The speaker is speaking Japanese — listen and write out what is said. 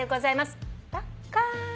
パッカーン。